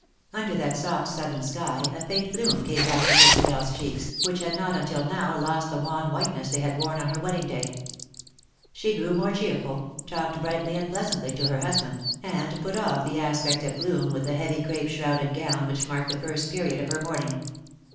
Under that soft southern sky a faint bloom came back to ChristabeFs cheeks, which had not until now lost the wan whiteness they had worn on her wedding day. She grew more cheerful, talked brightly and pleasantly to her husband, and put oft tlie aspect of gloom with the heavy crape shrouded gown which marked the first period of her mourn ing.